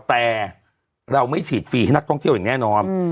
แต่เราไม่ฉีดฟรีให้นักท่องเที่ยวอย่างแน่นอน